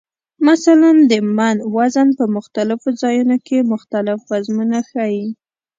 مثلا د "من" وزن په مختلفو ځایونو کې مختلف وزنونه ښیي.